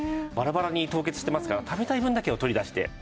バラバラに凍結してますから食べたい分だけを取り出して。